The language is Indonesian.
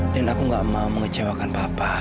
dan aku gak mau mengecewakan papa